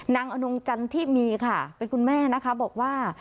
อนงจันทิมีค่ะเป็นคุณแม่นะคะบอกว่า